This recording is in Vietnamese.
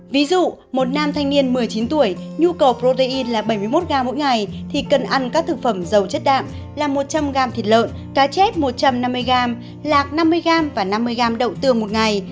ví dụ một nam thanh niên một mươi chín tuổi nhu cầu protein là bảy mươi một g mỗi ngày thì cần ăn các thực phẩm giàu chất đạm là một trăm linh g thịt lợn cá chép một trăm năm mươi g lạc năm mươi g và năm mươi g đậu tương một ngày